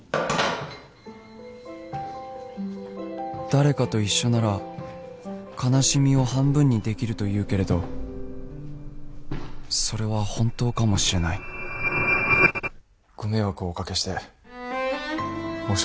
誰かと一緒なら悲しみを半分にできるというけれどそれは本当かもしれないご迷惑をお掛けして申し訳ございません。